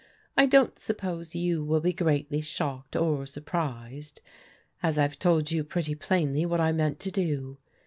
I don't suppose you will be greatly shocked or surprised, as I've told you pretty plainly what I meant to do.